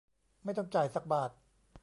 ไม่ต้องจ่ายสักบาท